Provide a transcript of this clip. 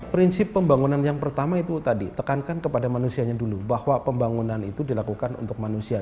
prinsip pembangunan yang pertama itu tadi tekankan kepada manusianya dulu bahwa pembangunan itu dilakukan untuk manusia